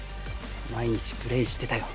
毎日プレーしてたよ。